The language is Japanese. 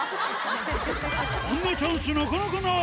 こんなチャンスなかなかない。